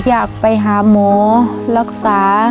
อยากไปหาหมอรักษา